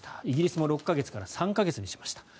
イギリスも６か月から３か月にしました。